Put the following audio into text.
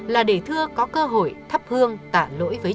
là để thưa có thể bắt trương thị thưa